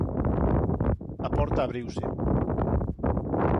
A porta abriuse.